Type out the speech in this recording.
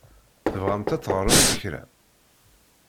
Tebɣamt ad teɣṛemt kra?